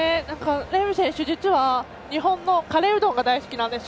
レーム選手、実は日本のカレーうどんが大好きなんですよ。